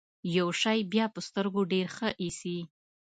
يو شی بيا په سترګو ډېر ښه اېسي.